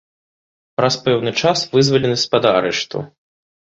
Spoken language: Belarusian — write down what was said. Праз пэўны час вызвалены з-пад арышту.